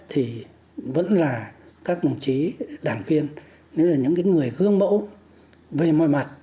thì vẫn là các đồng chí đảng viên những cái người gương mẫu về mọi mặt